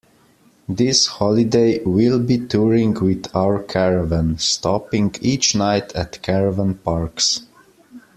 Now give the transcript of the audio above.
This holiday we’ll be touring with our caravan, stopping each night at caravan parks